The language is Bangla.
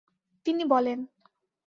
তিনি বলেন